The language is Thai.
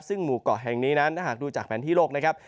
ซึ่งหมู่เกาะแห่งนี้นั้นถ้าหากดูจากแผนที่โลกนะครับ